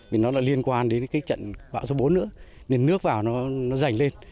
vì nó liên quan đến cái trận bão số bốn nữa nên nước vào nó dành lên